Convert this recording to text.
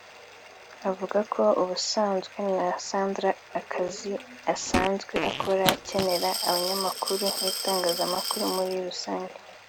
Avuga ko ubusanzwe na Sandra akazi asanzwe akora akenera abanyamakuru n’itangazamakuru muri rusange